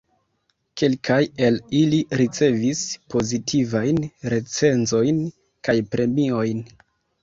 Kelkaj el ili ricevis pozitivajn recenzojn kaj premiojn.